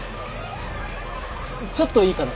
ちょっといいかな？